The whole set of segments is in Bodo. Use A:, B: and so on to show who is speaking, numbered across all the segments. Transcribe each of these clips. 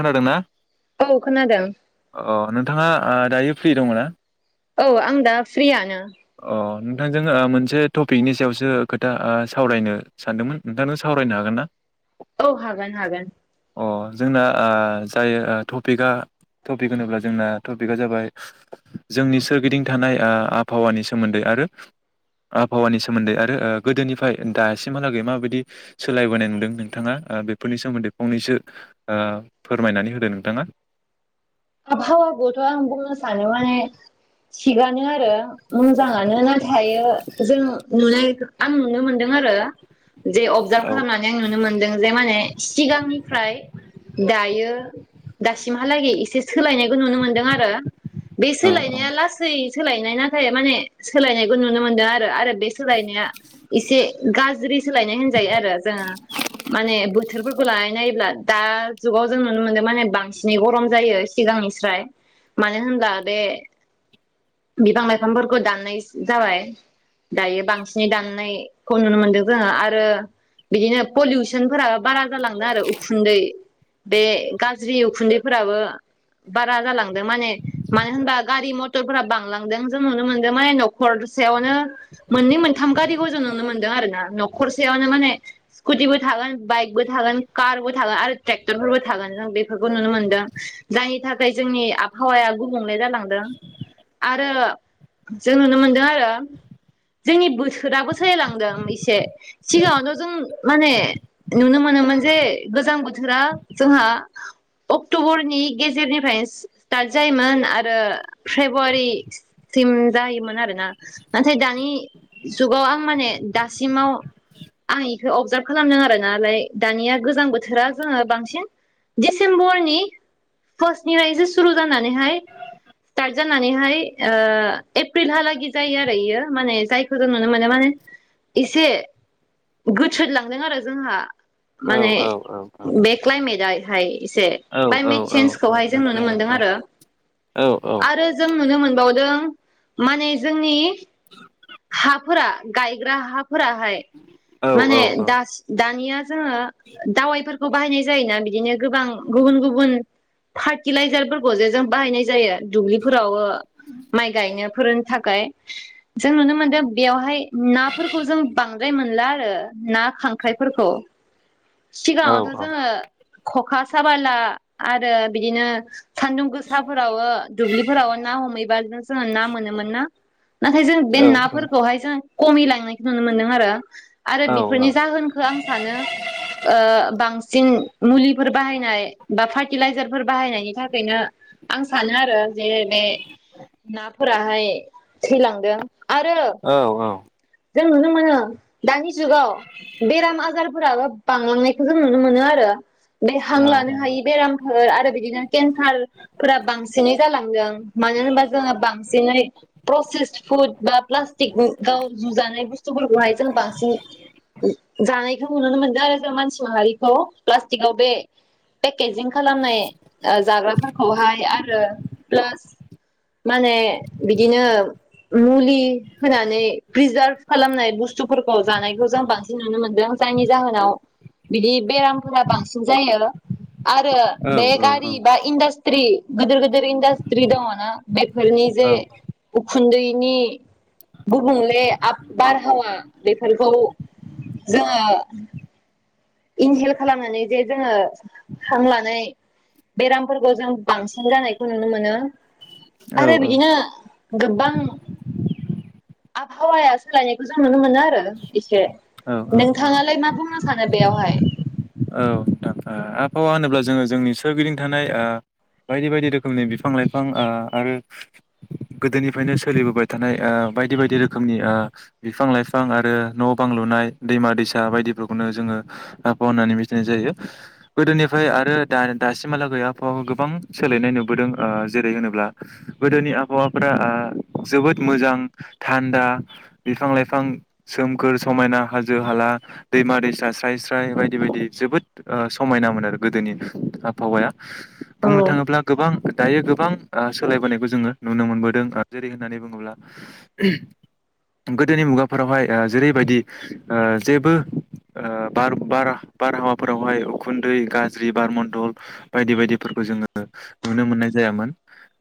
A: खोनादों ना
B: औ खोनादों
A: अ नोंथाङा दायो फ्रि दं ना
B: औ आं दा फ्रियानो
A: अ नोंथांजों मोनसे टपिकनि सायावसो खोथा सावरायनो सानदोंमोन नोंथांजों सावरायनो हागोन ना
B: औ हागोन हागोन
A: अ जोंना जाय टपिक टपिक होनोब्ला जोंना टपिकआ जाबाय जोंनि सोरगिदिं थानाय आबहावानि सोमोन्दै आरो आबहावानि सोमोन्दै आरो गोदोनिफ्राय दासिमहालागै माबायदि सोलायबोनाय नुदों नोंथाङा बेफोरनि सोमोन्दै फंनैसो फोरमायनानै होदों नोंथाङा
B: आबहावा खौथ आं‌ बुंनो सानो माने थिग आनो आरो मोजाङानो नाथायायो जों नुनाय आं नुनो मोनदों आरो जे अबजार्भ
A: औ
B: खालामनानै आं नुनो मोनदों जे माने सिगांनिफ्राय दायो दासिम हालागै इसे सोलायनायखौ नुनो मोनदों आरो बे
A: औ
B: सोलायनाया लासै सोलायनाय नाथाय माने सोलायनायखौ नुनो मोनदों आरो आरो बे सोलायनाया एसे गाज्रि सोलायनाय होनजायो आरो जोङो माने बोथोरफोरखौ लानाय नायोब्ला दा जुगाव जों नुनो मोनदों माने बांसिनै गरम जायो सिगांनि स्राय मानो होनब्ला बे बिफां लाइफांफोरखौ दाननाय जाबाय दायो बांसिनै दाननायखौ नुनो मोनदों जोङो आरो बिदिनो पलिउसन फोराबो बारा जालांदों आरो उखुन्दै बे गाज्रि उखुन्दैफोराबो बारा जालांदों माने मानो होनबा गारि मथरफोरा बांलांदों जों नुनो मोनदों माने न'खरसेयावनो मोननै मोनथाम गारिखौ जों नुनो मोनदों आरोोना न'खरसेयावनो माने स्कुटिबो थागोन बाइकबो थागोन कारबो थागोन आरो ट्रेक्टरफोरबो थागोन जों बेफोरखौ नुनो मोनदों जायनि थाखाय जोंनि आबहावाया गुबुंले जालांदों आरो जों नुनो मोनदों आरो जोंनि बोथोराबो सलिायलांदों एसे सिगाङावथ' जों माने नुनो मोनोमोन जे गोजां बोथोरा जोंहा अक्ट'बरनि गेजेरनिफ्रायनो स्टार्ट जायोमोन आरो फेब्रुवारिसिम जायोमोन आरोना नाथाय दानि जुगाव आं माने दासिमाव आं इखौ अबजार्भ खालामदों आरो नालाय दानिया गोजां बोथोरा जोङो बांसिन डिसेम्बरनि फार्स्टनिफ्राय एसे सुरु जानानैहाय स्टार्ट जानानैहाय एप्रिलहालागि जायो आरो इयो माने जायखौ जों नुनो मोनो माने एसे गोथोलांदों आरो जोंहा
A: औ
B: माने
A: औ औ
B: बे क्लायमेटाय हाय इसे
A: औ
B: क्लाइमेट
A: औ
B: सेनज
A: औ
B: जों नुनो मोनदों आरो
A: औ औ
B: आरो जों नुनो मोनाव माने जोंनि
A: [inaudible]
B: हाफोरा गायग्रा हा फोराहाय
A: औ औ
B: माने दासि दानिया जोङो दावाइफोरखौ बाहायनाय जायोना बिदिनो गोबां गुबुन गुबुन फार्टिलाइजारफोरखौ जे जों बाहायनाय जायो दुब्लिफोराव ओ माइ गायनो फोरनो थाखाय। जों नुनो मोनदों बेयावहाय नाफोरखौ जों बांद्राय मोन ला आरो। ना खांख्राइफोरखौ।
A: औ
B: सिगाङावथ' जोङो खखा साबाला आरो बिदिनो सान्दुं गोसाफोरावो दुब्लिफोराव ना हमहैबा जों जोङो ना मोनोमोन ना नाथाय जों बे नाफोरखौहाय जों खमि लांनाय खौ नुनो मोनदों आरो आरो बेफोरनि जाहोनखो आं सानो बांसिन मुलिफोर बाहायनाय बा फार्टिलाइजारफोर बाहायनायनि थाखायनो आं सानो आरो जे बे नाफोराहाय थैलांदों। आरो
A: औ औ।
B: जों नुनो मोनो दानि जुगाव बेराम आजार फोराबो बांलांनायखौ जों नुनो मोनो आरो। बे हां लानो
A: औ
B: हायि बेरामफोर आरो बिदिनो केन्सार फोरा बांसिनै जालांदों मानो होनबा जोङो बांसिनै प्रसेस फुद बा प्लास्टिक गाव जुजानाय बुस्थुफोरखौहाय जों बांसिन जानाय खौ नुनो मोन्दों। जों मानसि माहारिखौ प्लासटिकआव बे पेकेजिं खालामनाय ओ जाग्राफोरखौहाय आरो प्लास माने बिदिनो मुलि होनानै प्रिजार्भ खालामनाय बुस्थुफोरखौ जानायखौ जों बांसिन नुनो मोनदों जायनि जाहोनाव बिदि बेरामफोरा बांसिन जायो। आरो बे गारि बा इन्डास्ट्रि गोदोर गोदोथ इन्डास्ट्रि दङना? बेफोरनि जे उखुन्दैनि गुबुंले आब बारहावा बेफोरखौ जोङो । इनहेल खालामनानै जे जोङो हां लानाय बेरामफोरखौ जों बांसिन जानायखौ नुनो मोनो।
A: औ
B: आरो
A: औ
B: बिदिनो गोबां आबहावाया सोलायनायखौ जों नुनो मोनो आरो एसे नोंथाङालाय मा बुंनो सानो बेवहाय?
A: नोंथां आबहावा होनोब्ला जोङो जोंनि सोरगिदिं थानाय ओ बायदि बायदि रोखोमनि बिफां लाइफां ओ आरो गोदोनिफ्रायनो सोलिबोबाय थानाय बायदि बायदि रोखोमनि ओ बिफां लाइफां आरो न' बां लुनाय दैमा दैसा बायदिफोरखौनो जोङो आबहावा होननानै मिथिनाय जायो गोदोनिफ्राय आरो दा दासिमहालागै आबहावाखौ गोबां सोलायनाय नुबोदों ओ जेरै होनोब्ला गोदोनि आबहावाफ जोबोद मोजां थान्दा बिफां लाइफां सोमखोर समायना हाजो हाला दैमा दैसा स्राय स्राय बायदि बायदि जोबोद समायनामोन आरो गोदोनि आबहावाया
B: औ
A: बुंनो थाङोब्ला गोबां दायो गोबां सोलायबोनायखौ जोङो नुनो मोनबोदों जेरै होननानै बुङोब्ला गोदोनि मुगाफोरावहाय जेरैबायदि ओ जेबोर बार बारहावाफोरावहाय उखुन्दै गाज्रि बारमन्दल बायदि बायदिफोरखौ जोङो नुनो मोननाय जायामोन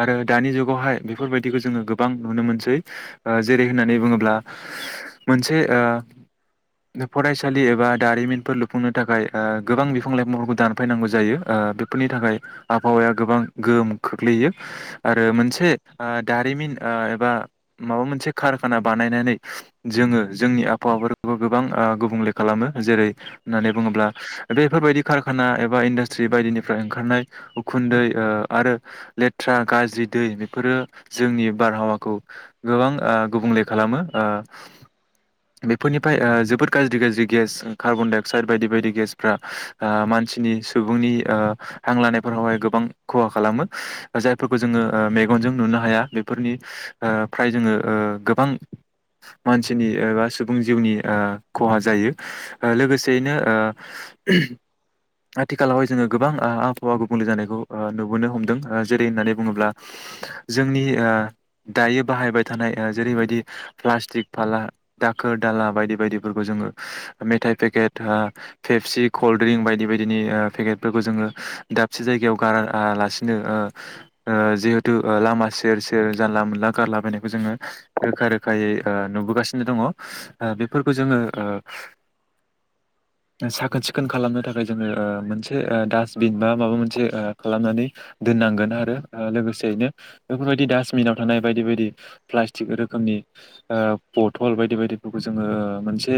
A: आरो दानि जुगावहाय बेफोरबायदिखौ जोङो गोबां नुनो मोनसै जेरै होननानै बुङोब्ला मोनसे फरायसालि एबा दारिमिनफोर लुफुंनो थाखाय गोबां बिफां लाइफांफोरखौ दानफैनांगौ जायो बेफोरनि थाखाय आबहावाया गोबां गोहोम खोख्लैयो आरो मोनसे दारिमिन एबा माबा मोनसे कारखाना बानायनानै जोङो जोंनि आबहावाफोरखौ गोबां गुबुंले खालामो जेरै होननानै बुङोब्ला बेफोरबायदि कारखाना एबा इन्डासट्रि बायदिनिफ्राय ओंखारनाय उखुन्दै ओ आरो लेथ्रा गाज्रि दै बेफोरो जोंनि बारहावाखौ गोबां ओ गुबुंले खालामो ओ बेफोरनिफ्राय ओ जोबोद गाज्रि गाज्रि गेस कार्बनडाइ अक्साइद बायदि बायदि गेस फ्रा ओ मानसिनि सुबुंनि ओ हां लानायफोरावहाय गोबां खहा खालामो जायफोरखौ जोङो ओ मेगनजों नुनो हाया बेफोरनि ओ फ्राय जोङो गोबां मानसिनि एबा सुबुं जिउनि ओ खहा जायो लोगोसेयैनो ओ आथिखालावहाय जोङो ओ गोबां आबहावा गुबुंले जानायखौ ओ नुबोनो हमदों ओ जेरै होननानै बुङोब्ला जोंनि ओ दायो बाहायबाय थानाय जेरैबायदि प्लास्टिक फाला दाखोर दाला बायदि बायदिफोरखौ जोङो मेथाइ पेकेट ओ फेबसिक कल्ड ड्रिंक बायदि बायदिनि ओ पेकेटफोरखौ जोङो दाबसे जायगायाव गारालासिनो जिहेथु लामा सेर सेर जानला मोनला गारलाबायनायखौ जोङो रोखा रोखायै नुबोगासिनो दङ बेफोरखौ जोङो साखोन सिखोन खोन खालामनो थाखाय जोङो मोनसेासबिन बा माबा मोनसे खालामनानै दोननांगोन आरो लोगोसेयैनो बेफोरबायदि दास्बिनाव थानाय बायदि बायदि प्लाटिक रोखोमनि बथल बायदि बायदिफोरखौ जोङो मोनसे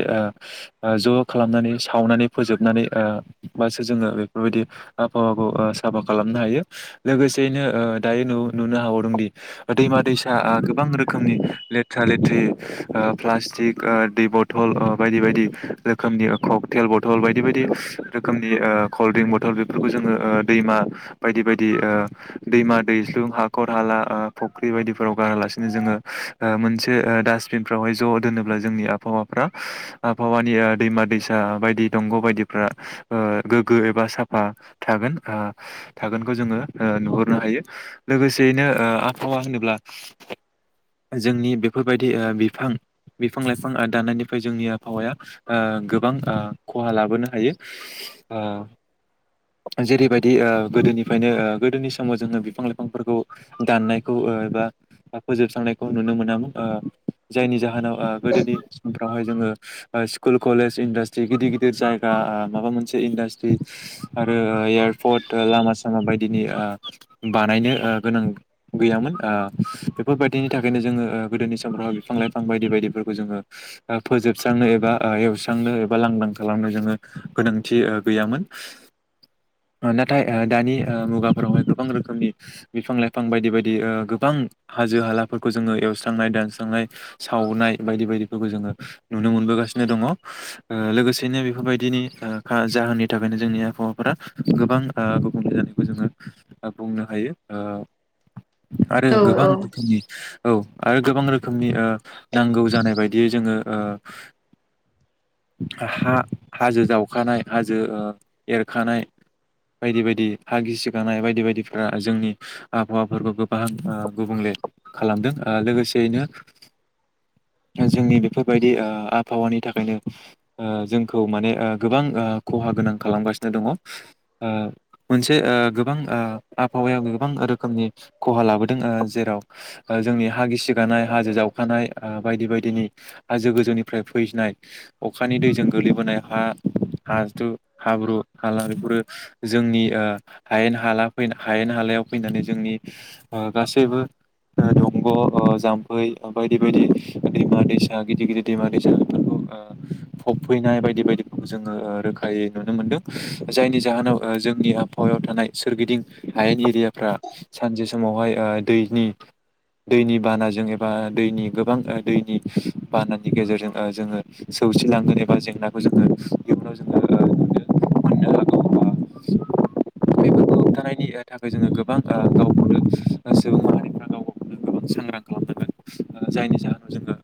A: ज' खालामनानै सावनानै फोजोबनानै बासो जोङो बेफोरबायदि आबहावाखौ साफा खालामनो हायो लोगोसेयैनो दायो न नुनो हाबावदोंदि दैमा दैसा गोबां रोखोमनि लेथ्रा लेथ्रि प्लास्टिक दै बथल बायदि बायदि रोखोमनि थेल बथल बथल बायदि बायदि रोखोमनि कल्ड्रिंक बथल बेफोरखौ जोङो दैमा बायदि बायदि दैमा दैज्लुं हाखर हाला फुख्रि बायदिफोराव गारालासिनो जोङो मोनसे डास्बिनफ्रावहाय ज' दोनोब्ला जोंनि आबहावाफ्रा आबहावानि दैमा दैसा बायदि दंग' बायदिफ्रा गोग्गो एबा साफा थागोन थागोनखौ जोङो नुहरनो हायो लोगोसेयैनो आबहावा होनोब्ला जोंनि बेफोरबायदि बिफां बिफां लाइफां दाननायनिफ्राय जोंनि आबहावाया गोबां खहा लाबोनो हायो जेरैबायदि गोदोनिफ्रायनो गोदोनि समाव जोङो बिफां लाइफांफोरखौ दाननायखौ एबा फोजोबस्रांनायखौ नुनो मोनामोन जायनि जाहोनाव गोदोनि समफ्रावहाय जोङो स्कुल कलेज इडास्ट्रि गिदिर गिदिर गिदिर जायगा माबा मोनसे इन्डास्ट्रि आरो एयारपर्ट लामा सामा बायदिनि बानायनो गोनां गैयामोन बेफोरबायदिनि थाखायनो जोङो गोदोनि समफ्राव बिफां लाइफां बायदि बायदिफोरखौ जोङो फोजोबस्रांनो एबा एवस्रांनो एबा लांदां खालामनो जोङो गोनांथि गैयामोन नाथाय दानि मुगाफोरावहाय गोबां रोखोमनि बिफां लाइफां बायदि बायदि गोबां हाजो हालाफोरखौ जोङो एवस्रांनाय दानस्रांनाय सावनाय बायदि बायदिफोरखौ जोङो नुनो मोनबोगासिनो दङ लोगोसे बिनो बेफोरबायदिनि जाहोननि थाखायनो जोंनि आबहावाफोरा गोबां गुबुंले जानायखौ जोङो बुंनो हायो आरो
B: औ
A: गोबां
B: औ
A: रोखोमनि औ आरो गोबां रोखोमनि नांगौ जानाय बदियै जोङो हा हाजो जावखानाय हाजो एरखानाय बायदि बायदि हा गिसिखानाय बायदि बायदिफोरा जोंनि आबहावाफोरखौ गोबां गुबुंले खालामदों लोगोसेयैनो जोंनि बेफोरबायदि आबहावानि थाखायनो जोंखौ माने गोबां खहा गोनां खालामगासिनो दङ मोनसे गोबां आबहावायाव गोबां रोखोमनि खहा लाबोदों जेराव जोंनि हा गिसिगानाय हाजो जावखानाय बायदि बायदिनि हाजो गोजौनिफ्राय फैनाय अखानि दैजों गोग्लैबोनाय हा हाज्रु हाब्रु हाला बेफोरो जोंनि हायेन हालाै हायेन हाालायाव फैनानै जोंनि गासैबो दंग' जाम्फै बायदि बायदि दैमा दैसा गिदिर गिदिर दैमा दैसा बेफोरखौ फबफैनाय बायदि बायदिफोरखौ जोङो रोखायै नुनो मोनदों जायनि जाहोनाव जोंनि आबहावायाव थानाय सोरगिदिं हायेन एरियाफ्रा सानसे समावहाय दैनि दैनि बानाजों एबा दैनि गोबां दैनि बानानि गेजेरजों जोङो सौसिलाङो ोन एबा जेंनाखौ जोङो इयुनाव जोङो नु मोननो हागौ बे हमथानायनि थाखाय जोङो गोबां गावखौनो सुबुं माहारिफ्रा गाव गावखौनो गोबां सांग्रां खालामनांगोन जायनि जाहोनाव जोङो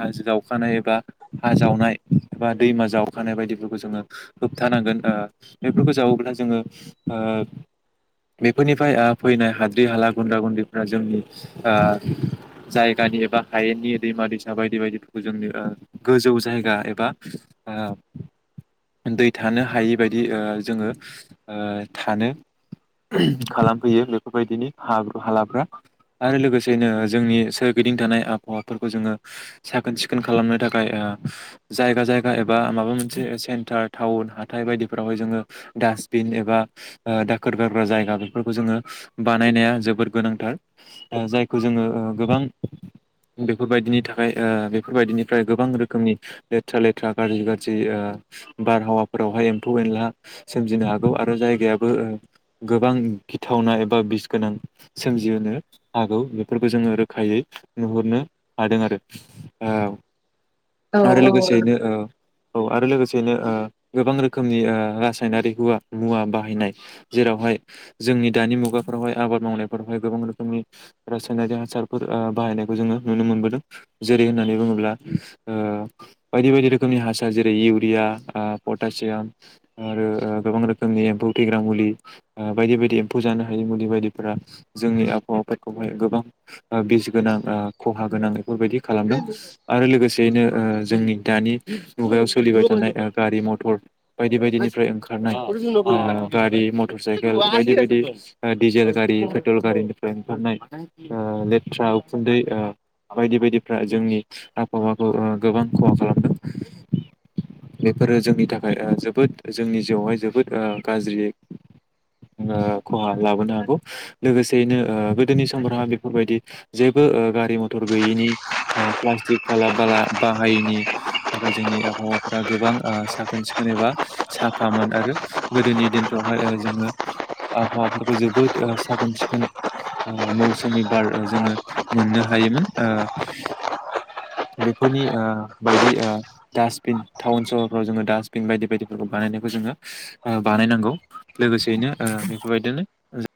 A: हाजो गावखानाय एबा हा जावनाय बा दैमा जावखानाय बायदिफोरखौ जोङो होबथानांगोन बेफोरखौ जावोब्ला जोङो बेफोरनिफ्राय फैनाय हाद्रि हाला गुन्द्रा गुन्दैफ्रा जोंनि जायगानि एबा हायेननि दैमा दैसा बायदि बायदिफोरखौ जोंनि गोजौ जायगा एबा बा दै थानो हायि बायदि जोङो थानो खालामफैयो बेफोरबायदिनि हालाफ्रा आरो लोगोसेनो जोंनि सोरगिदिं थानाय आबहावाफोरखौ जोङो साखोन सिखोन खालामनो थाखाय जायगा जायगा एबा माबा मोनसे सेन्टार टाउन हााइ बायदिफोरावहाय जोङो डासटबिन एबा दाखोर गारग्रा जायगा बेफोरखौ जोङो बानायनाया जोबोद गोनांथार जायखौ जोङो गोबां बेफोरबायदिनि थाखाय बेफोरबायदिनिफ्राय गोबां रोखोमनि लेथ्रा लेथ्रा गाज्रि गाज्रि बारहावाफोरावहाय एम्फौ एनला सोमजिनो हागौ आरो जायगायाबो गोबां गिथावना एबा बिस गोनां सोमजिहो हागौ बेफोरखौ जोङो रोखायै नुहुरनो हादों आरो आरो
B: औ औ
A: लोगोसेयैनो औ आरो लोगोसेनो गोबां रोखोमनि रासायनारि हुवा मुवा बाहायनाय जेरावहाय जोंनि दानि मुगाफोरावहाय आबाद मावनायफोरावहाय गोबां रोखोमनि रासायनारि हासारफोर बाहायनायखौ जोङो नुनो मोनबोदों जेरै होननानै बुङोब्ला बायदि बायदि रोखोमनि हासार जेरै इउरिया पटासियाम आरो गोबां रोखोमनि एम्फौ थैग्रा मुलि बायदि बायदि एम्फौ जानो हायि मुलि बायदिफोरा जोंनि आबहावााखौहाय गोबां बिस गोनां खहा गोनां बेफोरबायदि खालामदों आरो लोगोसेयैनो जोंनि दानि मुगायाव सोलिबाय थानाय गारि मथर बायदि बायदिनिफ्राय ओंखारनाय गारि मटर साइकेल बायदि बायदि डिजेल गारि पेट्रल गारिनिफ्राय ओंखारनाय लेथ्रा उखुन्दै बायदि बायदिफ्रा जोंनि आबहावाखौ गोबां खहा खालामदों बेफोरो जोंनि थाखाय जोबोद जोंनि जिउआवहाय जोबोद गाज्रि खहा लाबोनो हागौ लोगोसेयैनो गोदोनि समफोरहा बेफोरबायदि जेबो गारि मथर गैयैनि प्लास्टिक बाला बाला बा बाहायैनि थाखाय जोंनि आबहावाफोरा्रा गोबां साखोन सिखोन एबा साफामोन आरो गोदोनि दिनफ्रावहाय जोङो आबहावाफोरखौ जोबोद साखोन सिखोन मौसुमि बार जोङो मोननो हायोमोन बेफोरनि बायदि डास्टबिन टाउन सहरफ्राव जोङो डास्टबिन बायदि बायदिफोरखौ बानायनायखौ जोङो बानायनांगौ लोगोसेयैनो बेफोरबायदिनो